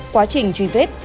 quá trình truy vết